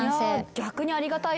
「逆にありがたい」